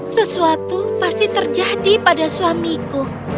sesuatu pasti terjadi pada suamiku